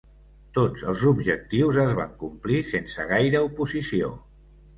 Tots els objectius es van complir sense gaire oposició.